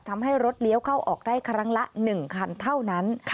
ทำให้รถเลี้ยวเข้าออกได้ครั้งละ๑คันเท่านั้น